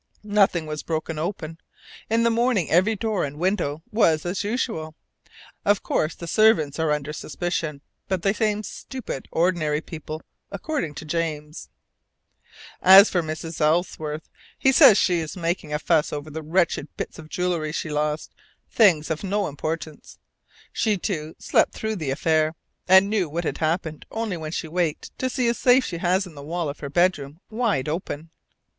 Nothing was broken open. In the morning every door and window was as usual. Of course the servants are under suspicion; but they seem stupid, ordinary people, according to James. As for Mrs. Ellsworth, he says she is making a fuss over the wretched bits of jewellery she lost, things of no importance. She, too, slept through the affair, and knew what had happened only when she waked to see a safe she has in the wall of her bedroom wide open.